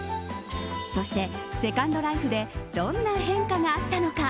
そして、セカンドライフでどんな変化があったのか。